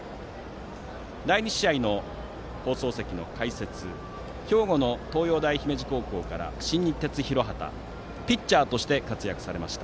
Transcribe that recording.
第２試合の放送席の解説は兵庫の東洋大姫路高工から新日鉄広畑ピッチャーとして活躍されました